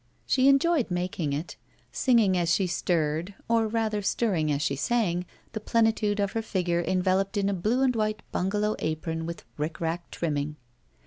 She enjoyed making it.. Singing as she stirred or rather stirring as she sang, the plenitude of her figure enveloped in a blue and white btmgalow apron with rickrack trimming.